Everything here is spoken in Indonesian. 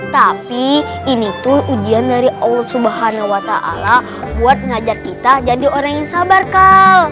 tapi ini tuh ujian dari allah swt buat ngajak kita jadi orang yang sabar kak